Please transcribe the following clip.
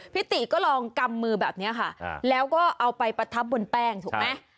ติก็ลองกำมือแบบนี้ค่ะแล้วก็เอาไปประทับบนแป้งถูกไหม